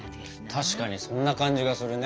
確かにそんな感じがするね。